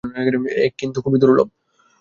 এ কিন্তু খুবই দুর্লভ।